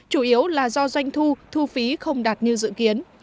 chủ yếu là do doanh thu thu phí không đạt như dự kiến